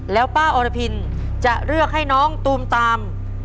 แล้วป้าอรพินจะเลือกให้น้องตูมตาม